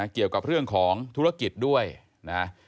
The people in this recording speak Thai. เกี่ยวกับเรื่องของธุรกิจด้วยนะ